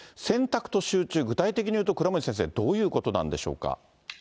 選択と集中、具体的に言うと倉持先生、どういうことなんでしょうか。